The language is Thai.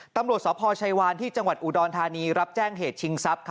ตำรวจสพชัยวานที่จังหวัดอุดรธานีรับแจ้งเหตุชิงทรัพย์